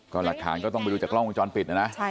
ก็หลักฐานก็ต้องไปดูจากกล้องวงจรปิดนะนะ